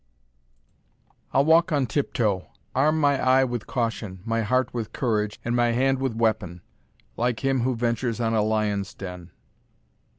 I'll walk on tiptoe; arm my eye with caution, My heart with courage, and my hand with weapon, Like him who ventures on a lion's den.